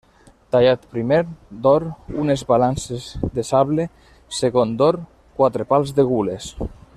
Tallat, primer, d'or, unes balances de sable; segon, d'or, quatre pals de gules.